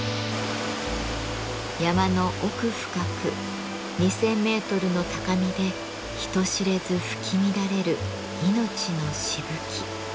山の奥深く２，０００メートルの高みで人知れず吹き乱れる命のしぶき。